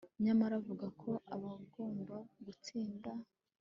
Nyamara avuga ko abagomba gutsinda